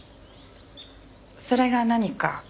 それが何か？